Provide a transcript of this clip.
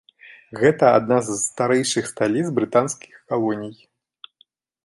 Гэта адна з старэйшых сталіц брытанскіх калоній.